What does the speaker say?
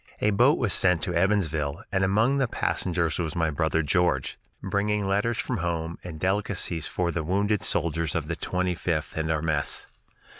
A boat was sent from Evansville, and among the passengers was my brother George, bringing letters from home and delicacies for the wounded soldiers of the Twenty fifth and our mess.